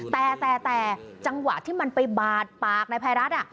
แต่แต่จังหวะที่มันไปบาดปากนายภัยรัฐ